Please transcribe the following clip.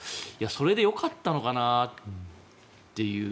それでよかったのかなっていう。